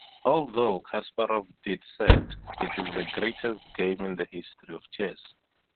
Although Kasparov did said, It is the greatest game in the history of chess.